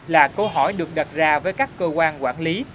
là câu hỏi được đặt ra với các cơ quan quản lý